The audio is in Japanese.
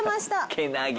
けなげ。